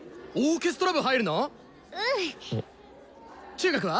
中学は？